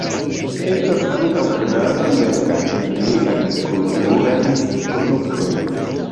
Estas ankaŭ grava merkato de agrikulturaj produktoj.